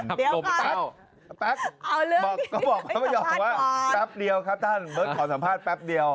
เดี๋ยวก่อนแป๊ปบอกพระพยอมว่าแปปเดียวครับท่านไม่สัมภาษณ์แปปเดียว